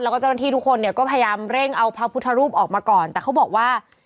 แล้วก็เจ้าหน้าที่ทุกคนเนี่ยก็พยายามเร่งเอาพระพุทธรูปออกมาก่อนแต่เขาบอกว่า